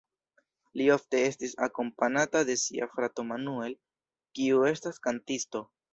Li ofte estis akompanata de sia frato Manuel, kiu estas kantisto.